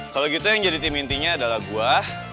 kalau gitu yang jadi tim intinya adalah gue